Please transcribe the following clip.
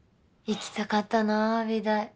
行きたかったな美大。